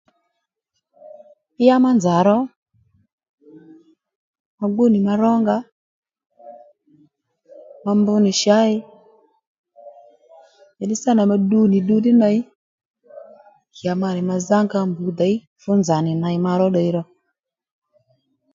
Ya ma nzà ro ma gbú nì ma rónga ma mbr nì shǎyi njàddí sǎnà ma ddu nì ddu ddí ney ya ma nì ma zǎnga mbǔ děy fú nzà nì ney ma ró ddiy ro